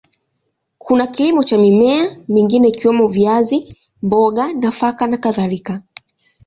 Kuna kilimo cha mimea mingine ikiwemo viazi, mboga, nafaka na kadhalika.